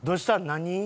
何？